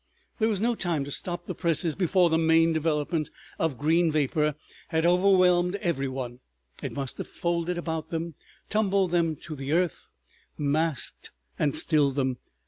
There was no time to stop the presses before the main development of green vapor had overwhelmed every one. It must have folded about them, tumbled them to the earth, masked and stilled them.